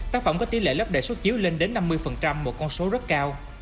tác phẩm có tỷ lệ lớp đề xuất chiếu lên đến năm mươi một con số rất cao